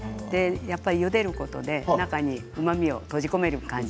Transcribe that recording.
やっぱり、ゆでることで中にうまみを閉じ込める感じ。